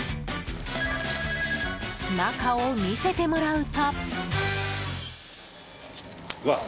中を見せてもらうと。